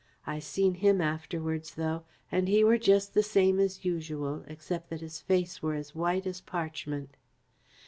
I seen him afterwards, though, and he were just the same as usual, except that his face were as white as parchment."